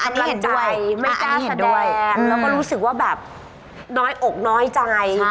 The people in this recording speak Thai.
น้อยอกน้อยใจ